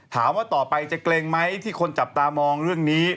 ถามว่าต่อไปจะเกรงไหมที่คนจับตามองเรื่องนี้